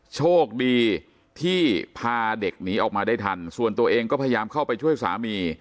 โชคดีที่พาเด็กหนีออกมาได้ทันส่วนตัวเองก็พยายามเข้าไปช่วยสามี